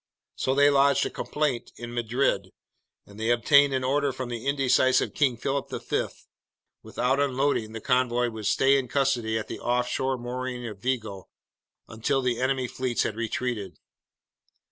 So they lodged a complaint in Madrid, and they obtained an order from the indecisive King Philip V: without unloading, the convoy would stay in custody at the offshore mooring of Vigo until the enemy fleets had retreated.